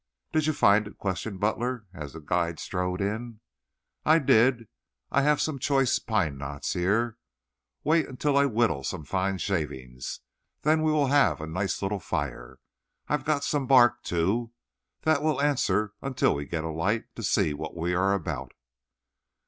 "Did you find it?" questioned Butler as the guide strode in. "I did. I have some choice pine knots here. Wait until I whittle some fine shavings, then we will have a nice little fire. I've got some bark, too. That will answer until we get a light to see what we are about."